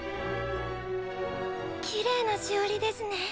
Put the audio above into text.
きれいなしおりですね。